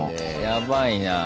やばいなぁ。